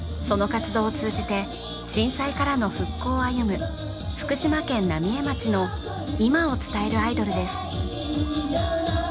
その活動を通じて震災からの復興を歩む福島県・浪江町の今を伝えるアイドルです